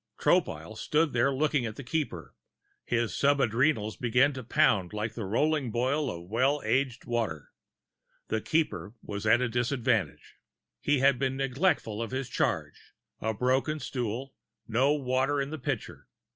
Tropile stood looking at the Keeper, his sub adrenals beginning to pound like the rolling boil of Well aged Water. The Keeper was at a disadvantage. He had been neglectful of his charge a broken stool, no water in the pitcher.